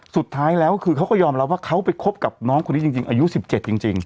สุดท้ายแล้วคือเขาก็ยอมรับว่าเขาไปคบกับน้องคนนี้จริงจริงอายุสิบเจ็ดจริงจริง